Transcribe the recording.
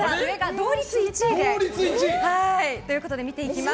同率１位が。ということで見ていきます。